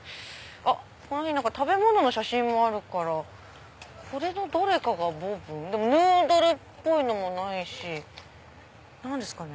この辺に食べ物の写真もあるからこれのどれかがボブン？でもヌードルっぽいのもないし何ですかね？